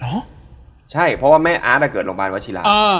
อเจมส์ใช่เพราะว่าแม่อาร์ตอะเกิดโรงพยาบาลวัชิลา